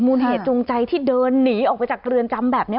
มูลเหตุจูงใจที่เดินหนีออกไปจากเรือนจำแบบนี้